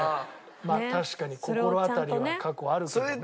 まあ確かに心当たりは過去あるけどね。